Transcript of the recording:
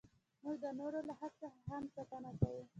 موږ د نورو له حق څخه هم ساتنه کوو.